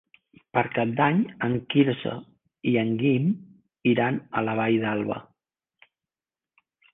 Per Cap d'Any en Quirze i en Guim iran a la Vall d'Alba.